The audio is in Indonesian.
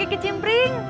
jadi spg kecimpring